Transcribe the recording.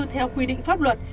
theo quy định pháp luật